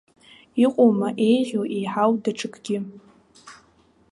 Иҟоума еиӷьу, еиҳау даҽакгьы.